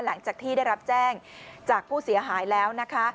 หลังจากที่ได้รับแจ้งจากผู้เสียหายแล้วนะคะ